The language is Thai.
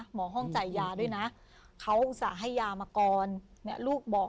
หมอห้องจ่ายยาด้วยนะเขาอุตส่าห์ให้ยามาก่อนเนี่ยลูกบอก